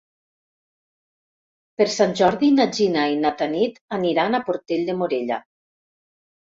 Per Sant Jordi na Gina i na Tanit aniran a Portell de Morella.